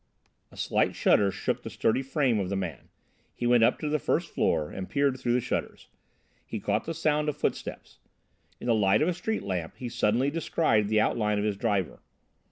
A slight shudder shook the sturdy frame of the man. He went up to the first floor and peered through the shutters. He caught the sound of footsteps. In the light of a street lamp he suddenly descried the outline of his driver.